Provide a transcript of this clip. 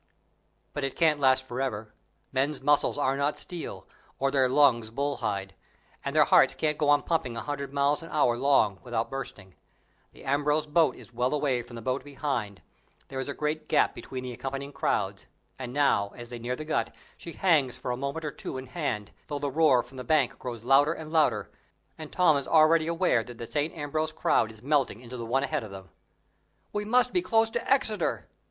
But it can't last forever; men's muscles are not steel, or their lungs bulls' hide, and hearts can't go on pumping a hundred miles an hour long, without bursting. The St. Ambrose boat is well away from the boat behind, there is a great gap between the accompanying crowds; and now, as they near the Gut, she hangs for a moment or two in hand, though the roar from the bank grows louder and louder, and Tom is already aware that the St. Ambrose crowd is melting into the one ahead of them. "We must be close to Exeter!"